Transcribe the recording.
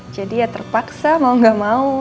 jadi ya terpaksa mau gak mau